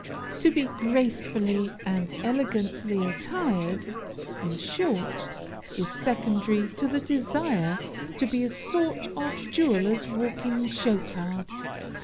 To be gracefully and elegantly attired, in short, is secondary to the desire to be a sort of jeweler's walking show card.